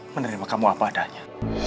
menerima kamu apa adanya